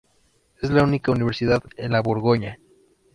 Es la única universidad en la Borgoña.